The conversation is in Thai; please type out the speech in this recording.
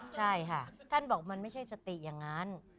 ใช่ค่ะท่านบอกมันไม่ใช่สติอย่างนั้น